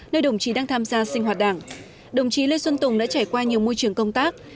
nơi đồng chí đang tham gia sinh hoạt đảng đồng chí lê xuân tùng đã trải qua nhiều môi trường công tác